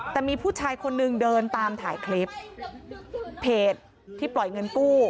แต่มีผู้ชายคนนึงเดินตามถ่ายคลิปเพจที่ปล่อยเงินกู้